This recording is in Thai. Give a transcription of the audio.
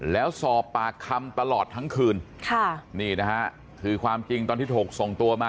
แล้วสอบปากคำตลอดทั้งคืนค่ะนี่นะฮะคือความจริงตอนที่ถูกส่งตัวมา